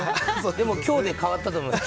でも今日で変わったと思います。